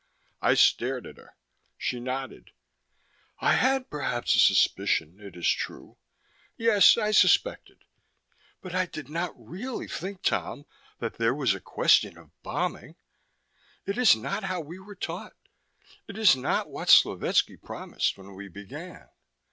I stared at her. She nodded. "I had perhaps a suspicion, it is true. Yes, I suspected. But I did not really think, Tom, that there was a question of bombing. It is not how we were taught. It is not what Slovetski promised, when we began."